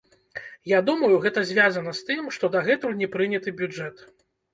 Я думаю, гэта звязана з тым, што дагэтуль не прыняты бюджэт.